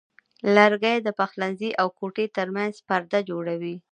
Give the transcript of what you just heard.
لرګی د پخلنځي او کوټې ترمنځ پرده جوړوي.